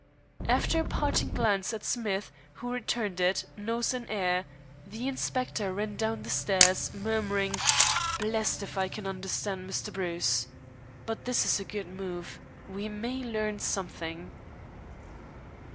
After a parting glance at Smith, who returned it, nose in air, the inspector ran down the stairs, murmuring, "Blest if I can understand Mr. Bruce. But this is a good move. We may learn something."